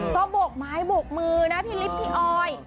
ก็บวกไม้บวกมือนะพี่ลิฟต์พี่ออย